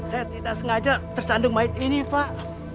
saya tidak sengaja tersandung mayat ini pak